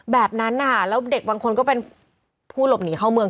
แบบนั้นนะคะแล้วเด็กบางคนก็เป็นผู้หลบหนีเข้าเมือง